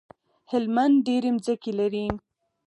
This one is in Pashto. هلمند ډيری مځکی لری